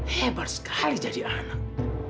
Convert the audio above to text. hebat sekali jadi anak